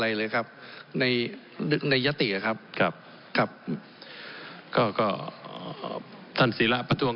ผมเพิ่งเริ่มจากการประท้วง